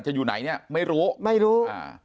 จะอยู่ไหนนี่ไม่รู้ไม่รู้